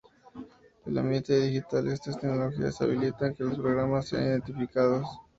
En el ambiente digital estas tecnologías habilitan que los programas sean identificados.